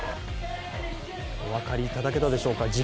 お分かりいただけたでしょうか。